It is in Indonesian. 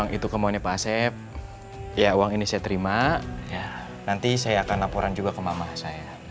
nanti saya akan laporan juga ke mama saya